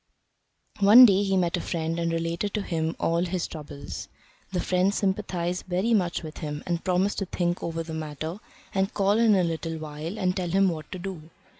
One day he met a friend and related to him all his troubles. The friend sympathised very much with him, and promised to think over the matter, and call in a little while and tell him what to do.